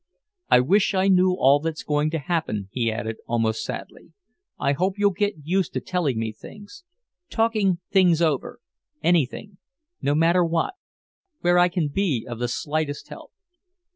"I wish I knew all that's going to happen," he added, almost sadly. "I hope you'll get used to telling me things talking things over anything no matter what where I can be of the slightest help."